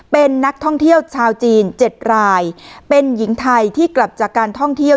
เป็นนักท่องเที่ยวชาวจีน๗รายเป็นหญิงไทยที่กลับจากการท่องเที่ยว